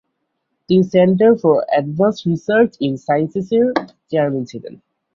তিনি centre for advanced research in সায়েন্সেসের chairman ছিলেন।